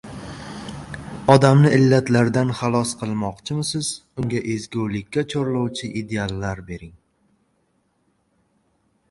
Odamni illatlardan xalos qilmoqchimisiz, unga ezgulikka chorlovchi ideallar bering!